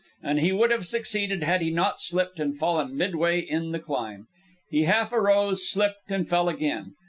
And he would have succeeded had he not slipped and fallen midway in the climb. He half arose, slipped, and fell again.